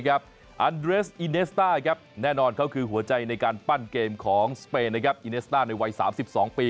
อันเดรสอีเนสต้าแน่นอนเขาคือหัวใจในการปั้นเกมของสเปนอีเนสต้าในวัย๓๒ปี